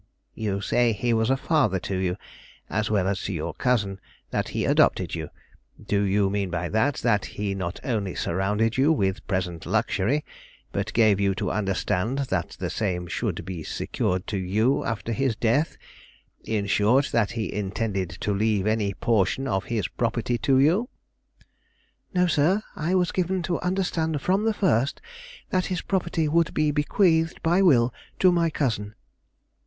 "You say he was a father to you as well as to your cousin that he adopted you. Do you mean by that, that he not only surrounded you with present luxury, but gave you to understand that the same should be secured to you after his death; in short, that he intended to leave any portion of his property to you?" "No, sir; I was given to understand, from the first, that his property would be bequeathed by will to my cousin."